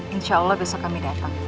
insya allah besok kami datang